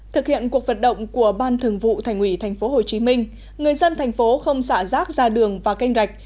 thực hiện cuộc vận động của ban thường vụ thành ủy tp hcm người dân thành phố không xả rác ra đường và canh rạch